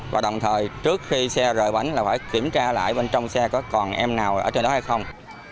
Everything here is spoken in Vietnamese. và đồng thời trước khi xe rời bánh là phải kiểm tra lại bên trong xe có còn em nào ở trên đó hay không